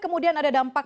sekarang selamat pagi